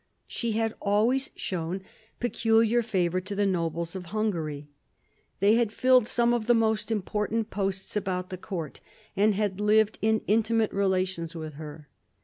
She had always shown peculiar favour to the nobles of Hungary. They had filled some of the most important posts about the court, and had lived in intimate relations with her.